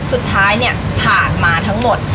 สุดท้ายเนี่ยผ่านมาทั้งหมด